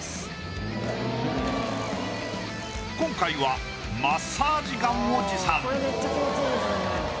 今回はマッサージガンを持参。